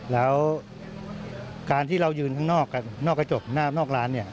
แล้วการที่เรายืนข้างนอกกระจกหน้านอกร้าน